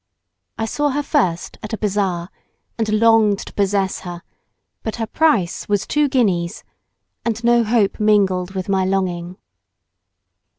I saw her first at a bazaar and longed to possess her, but her price was two guineas, and no hope mingled with my longing.